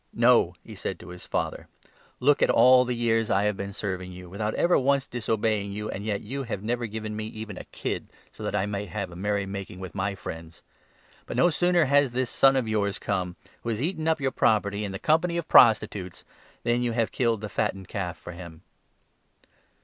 'No,' he said to his father, 29 * look at all the years I have been serving you, without ever once disobeying you, and yet you have never given me even a kid, so that I might have a merry making with my friends. But, no sooner has this son of yours come, who has eaten up 30 your property in the company of prostitutes, than you have killed the fattened calf for him.'